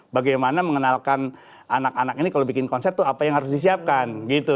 bagaimana mengenalkan anak anak ini kalau bikin konsep itu apa yang harus disiapkan gitu